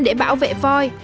để bảo vệ voi